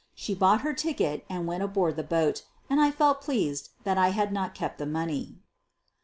She bought her ticket and went aboard the boat and I felt pleased that I had not kept the money.